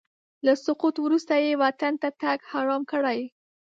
له سقوط وروسته یې وطن ته تګ حرام کړی.